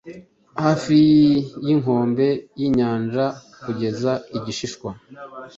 Hafi yinkombe yinyanjakugeza igishishwa